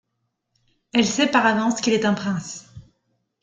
Elle sait par avance qu'il est un prince.